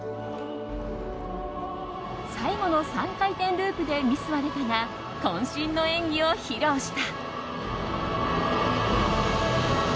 最後の３回転ループでミスは出たが渾身の演技を披露した。